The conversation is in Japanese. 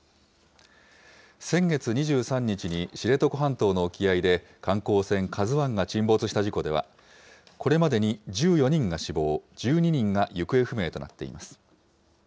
先月２３日に知床半島の沖合で、観光船ＫＡＺＵＩが沈没した事故では、これまでに１４人が死亡、１２人が行方不明となっています。